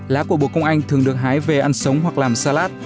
lá của bồ công anh thường được hái về ăn sống hoặc làm salad